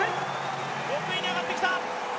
６位に上がってきた。